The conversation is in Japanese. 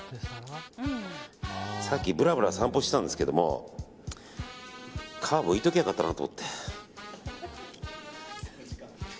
さっきぶらぶら散歩してたんですけど皮むいておけばよかったなと思って。